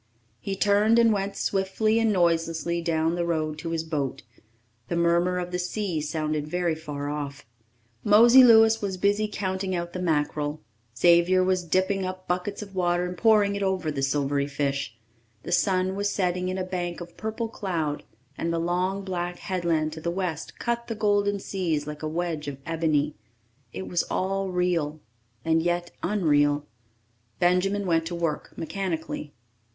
He turned and went swiftly and noiselessly down the road to his boat. The murmur of the sea sounded very far off. Mosey Louis was busy counting out the mackerel, Xavier was dipping up buckets of water and pouring it over the silvery fish. The sun was setting in a bank of purple cloud, and the long black headland to the west cut the golden seas like a wedge of ebony. It was all real and yet unreal. Benjamin went to work mechanically.